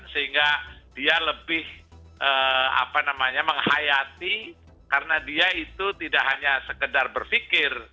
sehingga dia lebih menghayati karena dia itu tidak hanya sekedar berpikir